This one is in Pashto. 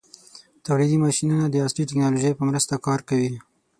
تولیدي ماشینونه د عصري ټېکنالوژۍ په مرسته کار کوي.